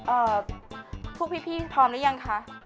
เอ่อพวกพี่พร้อมแล้วยังคะ